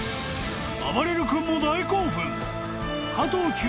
［あばれる君も大興奮！］